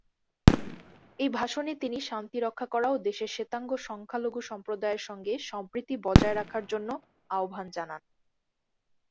এই ভাষণে তিনি শান্তি রক্ষা করা ও দেশের শ্বেতাঙ্গ সংখ্যালঘু সম্প্রদায়ের সঙ্গে সম্প্রীতি বজায় রাখার জন্য আহবান জানান।